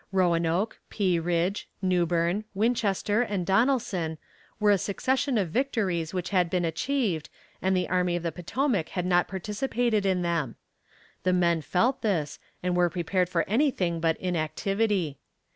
Roanoke, Pea Ridge, Newbern, Winchester and Donelson were a succession of victories which had been achieved, and the army of the Potomac had not participated in them. The men felt this, and were prepared for anything but inactivity.